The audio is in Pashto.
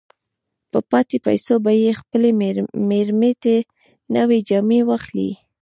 په پاتې پيسو به يې خپلې مېرمې ته نوې جامې واخلي.